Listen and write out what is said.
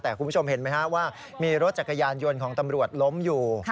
แต่คุณผู้ชมเห็นไหมฮะว่ามีรถจักรยานยนต์ของตำรวจล้มอยู่